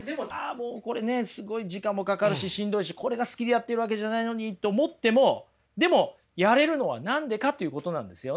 もうこれねすごい時間もかかるししんどいしこれが好きでやってるわけじゃないのにって思ってもでもやれるのは何でかということなんですよね。